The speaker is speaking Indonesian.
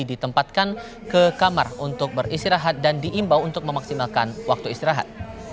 ditempatkan ke kamar untuk beristirahat dan diimbau untuk memaksimalkan waktu istirahat